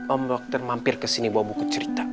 om dokter mampir kesini bawa buku cerita